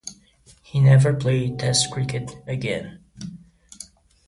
He never played Test cricket again.